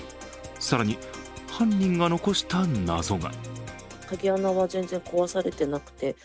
更に、犯人が残した謎が。